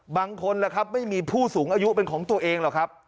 บางคนล่ะครับไม่มีผู้สูงอายุเป็นของตัวเองหรอกครับ